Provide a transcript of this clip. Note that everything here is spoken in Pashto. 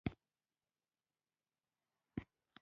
د افغانستان ولايتونه د افغانانو د فرهنګي پیژندنې برخه ده.